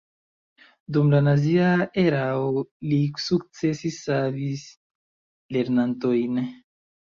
Dum la nazia erao li sukcese savis lernantojn.